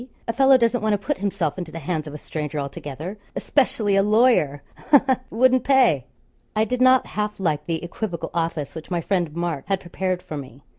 A fellow doesn't want to put himself into the hands of a stranger altogether, especially a lawyer, ha, ha! it wouldn't pay.' I did not half like the equivocal office which my friend Mark had prepared for me.